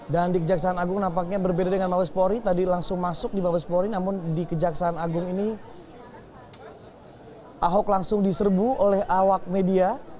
dan di kejaksaan agung nampaknya berbeda dengan mabespori tadi langsung masuk di mabespori namun di kejaksaan agung ini ahok langsung diserbu oleh awak media